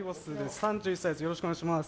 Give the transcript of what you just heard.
３８歳です。